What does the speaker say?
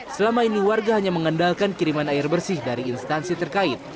selama ini warga hanya mengandalkan kiriman air bersih dari instansi terkait